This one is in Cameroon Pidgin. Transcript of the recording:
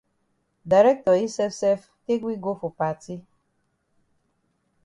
Director yi sef sef take we go for party.